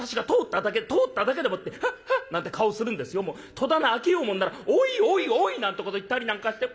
戸棚開けようもんなら『おいおいおい』なんてこと言ったりなんかして。